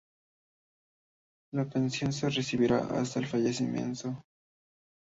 La pensión se recibirá hasta el fallecimiento.